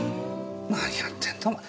何やってんだお前。